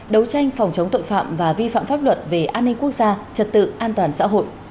đấu tranh phòng chống tội phạm và vi phạm pháp luật về an ninh quốc gia trật tự an toàn xã hội